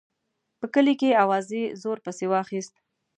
په کلي کې اوازې زور پسې واخیست.